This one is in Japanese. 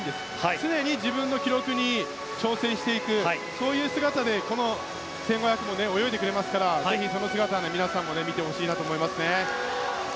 常に自分の記録に挑戦していくそういう姿で１５００も泳いでくれますからその姿見てほしいなと思いますね。